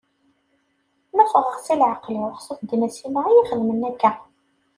Ma ffɣeɣ seg leɛqel-iw ḥṣut d Nasima i yi-xedmen akka.